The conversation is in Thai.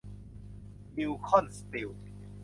มิลล์คอน สตีล